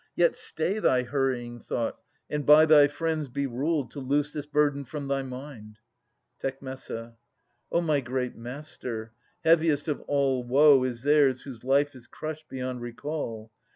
Yet stay thy hurrying thought, and by thy friends Be ruled to loose this burden from thy mind. Tec. O my great master ! heaviest of all woe Is theirs whose life is crushed beyond recall.